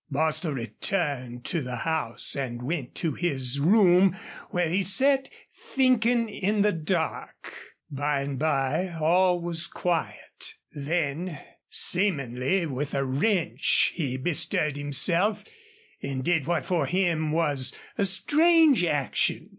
Bostil returned to the house and went to his room, where he sat thinking in the dark. By and by all was quiet. Then seemingly with a wrench he bestirred himself and did what for him was a strange action.